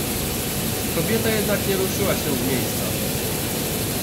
"Kobieta jednak nie ruszyła się z miejsca."